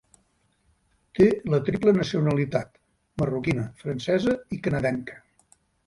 Té la triple nacionalitat marroquina, francesa i canadenca.